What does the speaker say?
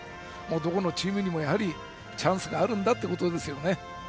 どこのチームにもチャンスがあるだということです。